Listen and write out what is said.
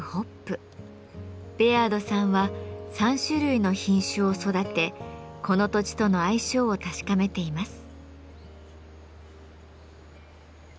ベアードさんは３種類の品種を育てこの土地との相性を確かめています。